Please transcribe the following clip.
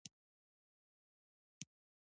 د پوهنې امر ویل چې ټول کارتونه وېشل شوي دي.